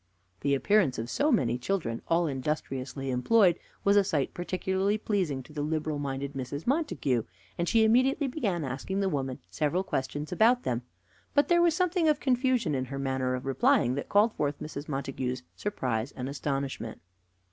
The appearance of so many children, all industriously employed, was a sight particularly pleasing to the liberal minded Mrs. Montague, and she immediately began asking the woman several questions about them; but there was something of confusion in her manner of replying that called forth Mrs. Montague's surprise and astonishment.